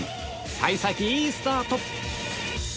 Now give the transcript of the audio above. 幸先いいスタート